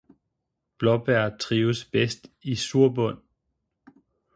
Blåbær trives bedst i surbund.